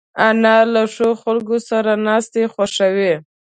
انا له ښو خلکو سره ناستې خوښوي